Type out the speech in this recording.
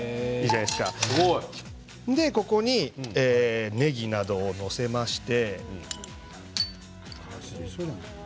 ここに、ねぎなどを載せまして。